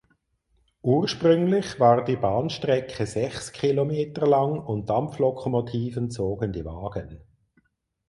Ursprünglich war die Bahnstrecke sechs Kilometer lang und Dampflokomotiven zogen die Wagen.